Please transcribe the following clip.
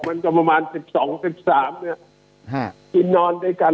มันก็ประมาณสิบสองสิบสามเนี่ยครับคิดนอนด้วยกัน